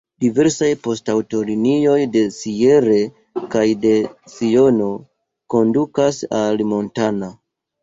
Diversaj poŝtaŭtolinioj de Sierre kaj de Siono kondukas al Montana.